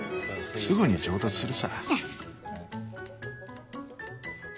すぐに上達するさ。